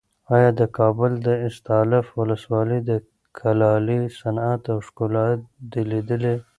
ایا د کابل د استالف ولسوالۍ د کلالۍ صنعت او ښکلا دې لیدلې؟